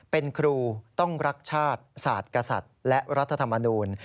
เป็นครูต้องรักชาติศาสตร์กษัตริย์และรัฐธรรมนูล